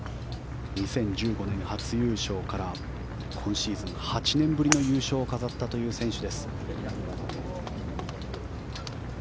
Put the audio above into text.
２０１５年初優勝から今シーズン８年ぶりの優勝を飾った選手。